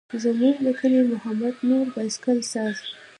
زموږ د کلي محمد نور بایسکل ساز.